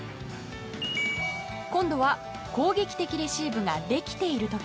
今度は、攻撃的レシーブができている時。